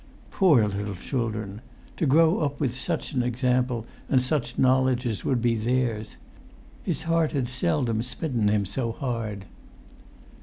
Poor little children! To grow up with such an example and such knowledge as would be theirs! His heart had seldom smitten him so hard.